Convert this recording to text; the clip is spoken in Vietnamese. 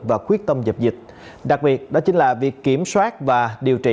và quyết tâm dập dịch đặc biệt đó chính là việc kiểm soát và điều trị